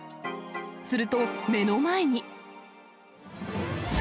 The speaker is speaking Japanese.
すると、目の前に。